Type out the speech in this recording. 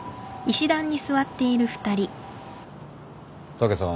武さん